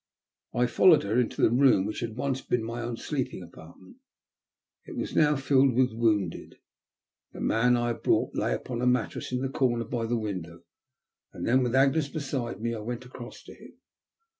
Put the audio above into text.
I followed her into the room which had once been my own sleeping apartment. It was now filled with wounded. The man I had brought in lay upon a 970 THE LUST OF BATE. mattress in the comer by the window, and, with Agoei beside me, I went across to him.